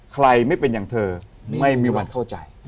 ใครไม่เป็นอย่างเธอไม่มีวันเข้าใจ